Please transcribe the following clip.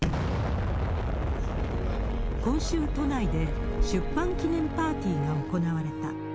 今週、都内で出版記念パーティーが行われた。